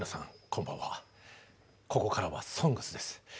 こんばんはここからは「ＳＯＮＧＳ」です。